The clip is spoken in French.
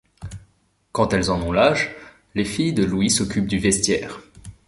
Quand elles en ont l'age, les filles de Louis s'occupent du vestiaire.